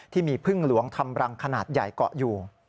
ที่มีพึ่งหลวงทำรังขนาดใหญ่เกาะอยู่